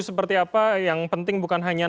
seperti apa yang penting bukan hanya